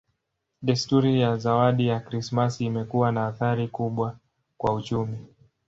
Desturi ya zawadi za Krismasi imekuwa na athari kubwa kwa uchumi.